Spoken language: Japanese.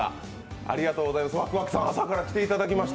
ありがとうございます。